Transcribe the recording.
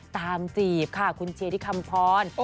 จีบค่ะคุณเชียร์ที่คำพร